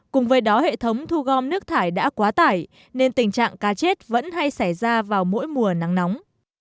cùng với đó hệ thống thu gom nước thải đã quá tải nên tình trạng cá chết vẫn hay xảy ra vào mỗi mùa nắng nóng